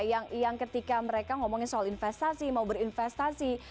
yang ketika mereka ngomongin soal investasi mau berinvestasi